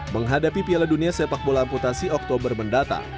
menghadapi piala dunia sepak bola amputasi oktober mendatang